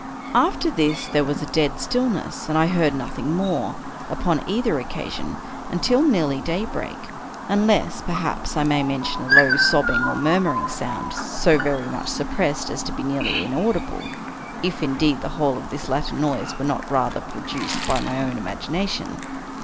After this there was a dead stillness, and I heard nothing more, upon either occa sion, until nearly daybreak; unless, perhaps, I may men tion a low sobbing, or murmuring sound, so very much suppressed as to be nearly inaudible — if, indeed, the whole of this latter noise were not rather produced by my own imagination.